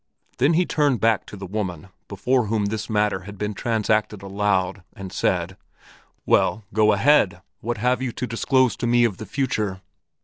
Then he turned back to the woman before whom this matter had been transacted aloud, and said, 'Well, go ahead! What have you to disclose to me of the future?'